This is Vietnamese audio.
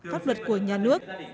pháp luật của nhà nước